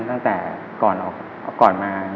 ตั้งแต่ก่อนมา